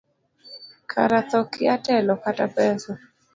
Kara thoo kia telo kata pesa.